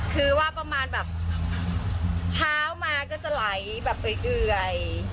คือว่าประมาณแบบเช้ามาก็จะไหลแบบเอื่อย